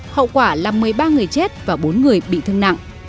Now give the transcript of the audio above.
hậu quả là một mươi ba người chết và bốn người bị thương nặng